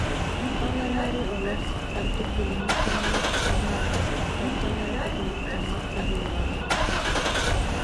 Ол эрээри олох, ордук билиҥҥи кэмҥэ, аҥаардас тапталтан эрэ тутулуктаммат быһыылаах